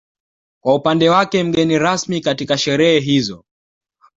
Kwa upande wake mgeni rasmi katika sherehe hizo